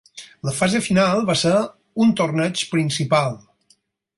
La fase final va ser un torneig principal.